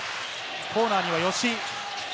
コーナーには吉井。